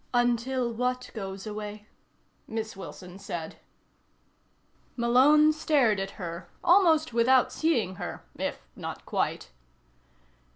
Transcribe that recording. "Until what goes away?" Miss Wilson said. Malone stared at her almost without seeing her, if not quite.